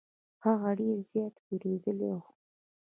هغه ډير زيات ويرويدلې وه.